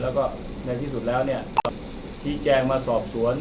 แล้วก็ในที่สุดแล้วเนี่ยชี้แจงมาสอบสวน